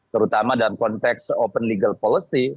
terutama dalam konteks open legal policy